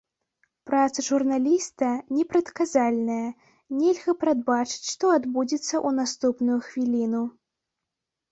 Праца журналіста непрадказальная, нельга прадбачыць, што адбудзецца ў наступную хвіліну.